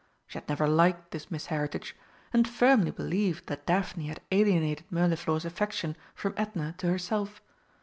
She had never liked this Miss Heritage, and firmly believed that Daphne had alienated Mirliflor's affection from Edna to herself.